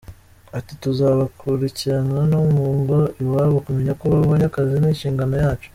Ati :”Tuzabakurikirana no mu ngo iwabo, kumenya ko babonye akazi ni inshingano yacu.